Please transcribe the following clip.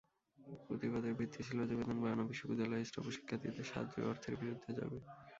প্রতিবাদের ভিত্তি ছিল যে বেতন বাড়ানো বিশ্ববিদ্যালয়ের স্টাফ ও শিক্ষার্থীদের সাহায্যের অর্থের বিরুদ্ধে যাবে।